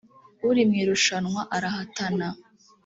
uri mu irushanwa arahatana